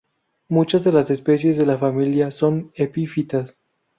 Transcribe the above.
Muchas de las especies de la familia son epifitas.